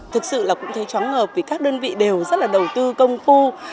thực sự là cũng thấy chóng ngợp vì các đơn vị đều rất là đầu tư công phu